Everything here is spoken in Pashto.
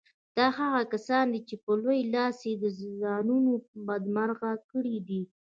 دا هغه کسان دي چې په لوی لاس يې ځانونه بدمرغه کړي دي.